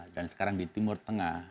dan sekarang di timur tengah